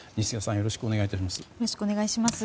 よろしくお願いします。